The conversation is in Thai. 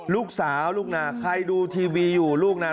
ลูกสาวลูกนาใครดูทีวีอยู่ลูกนา